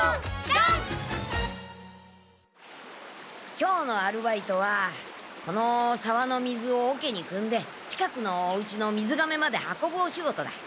今日のアルバイトはこのさわの水をおけにくんで近くのおうちのみずがめまで運ぶお仕事だ。